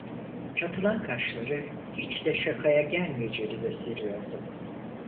Çatılan kaşları, hiç de şakaya gelmeyeceğini gösteriyordu.